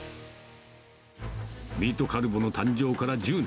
ミートカルボの誕生から１０年。